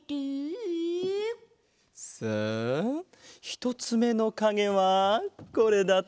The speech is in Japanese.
さあひとつめのかげはこれだったな。